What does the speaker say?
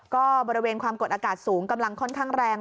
ก็บริเวณความกดอากาศสูงกำลังค่อนข้างแรง